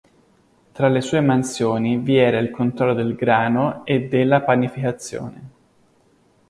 Tra le sue mansioni vi era il controllo del grano e della panificazione.